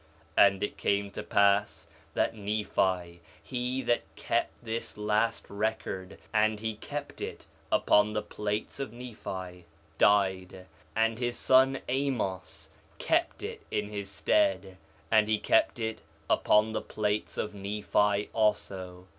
4 Nephi 1:19 And it came to pass that Nephi, he that kept this last record, (and he kept it upon the plates of Nephi) died, and his son Amos kept it in his stead; and he kept it upon the plates of Nephi also.